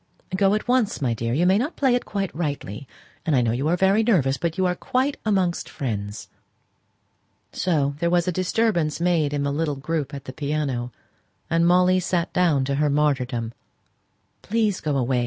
"Go at once, my dear. You may not play it quite rightly; and I know you are very nervous; but you're quite amongst friends." So there was a disturbance made in the little group at the piano, and Molly sate down to her martyrdom. "Please, go away!"